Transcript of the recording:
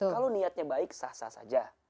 kalau niatnya baik sah sah saja